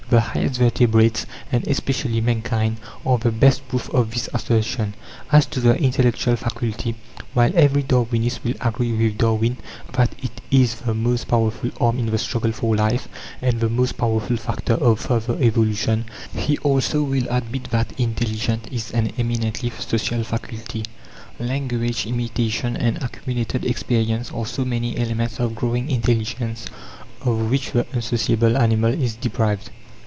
The highest vertebrates, and especially mankind, are the best proof of this assertion. As to the intellectual faculty, while every Darwinist will agree with Darwin that it is the most powerful arm in the struggle for life, and the most powerful factor of further evolution, he also will admit that intelligence is an eminently social faculty. Language, imitation, and accumulated experience are so many elements of growing intelligence of which the unsociable animal is deprived.